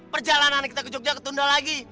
perjalanan kita ke jogja ketunda lagi